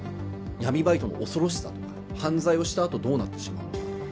闇バイトの恐ろしさとか、犯罪をしたあとどうなってしまうのか。